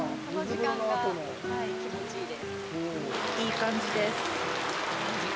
いい感じです。